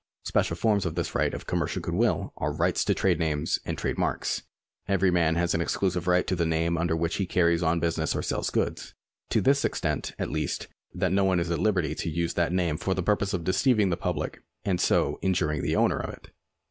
Special forms of this right of commercial good will are rights to trade names and trade marks. Every man has an exclusive right to the name under which he carries on business or sells his goods — to this extent at least that no one is at liberty to use that name for the purpose of deceiving the pubUc and so injuring the owner of it.